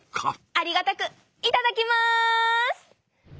ありがたくいただきます！